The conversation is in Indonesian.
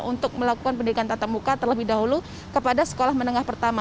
untuk melakukan pendidikan tatap muka terlebih dahulu kepada sekolah menengah pertama